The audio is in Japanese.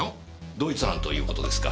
同一犯という事ですか？